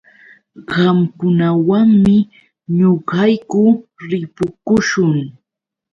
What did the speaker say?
Qamkunawanmi ñuqayku ripukuśhun.